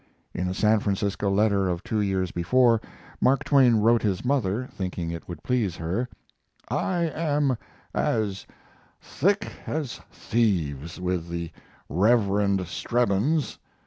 In a San Francisco letter of two years before, Mark Twain wrote his mother, thinking it would please her: I am as thick as thieves with the Reverend Stebbins.